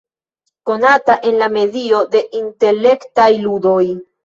Konata en la medio de intelektaj ludoj.